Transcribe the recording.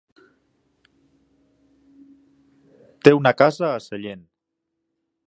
Té una casa a Sellent.